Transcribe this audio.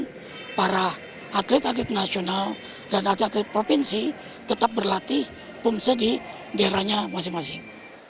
dan para atlet atlet nasional dan atlet atlet provinsi tetap berlatih pomse di daerahnya masing masing